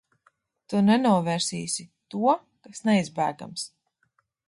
Tu nenovērsīsi to, kas neizbēgams.